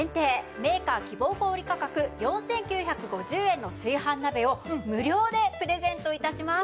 メーカー希望小売価格４９５０円の炊飯鍋を無料でプレゼント致します。